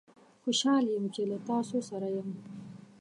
خوشحال یم چې له تاسوسره یم